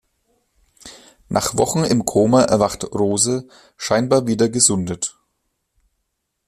Nach Wochen im Koma erwacht Rose, scheinbar wieder gesundet.